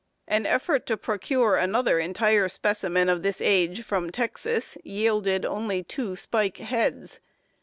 An effort to procure another entire specimen of this age from Texas yielded only two spike heads.